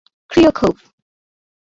Kryukov.